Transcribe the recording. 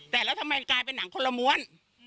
แต่แล้วทำไมกลายเป็นหนังคนละม้วน